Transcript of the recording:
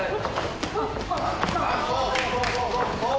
そうそうそう！